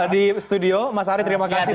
di studio mas ari terima kasih